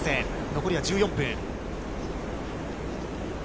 残りは１４分。